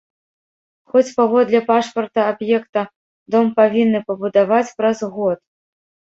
Хоць, паводле пашпарта аб'екта, дом павінны пабудаваць праз год.